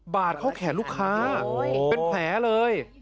บาดเข้าแขนลูกค้าเป็นแผลเลย